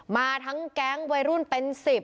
มาทั้งแก๊งวัยรุ่นเป็น๑๐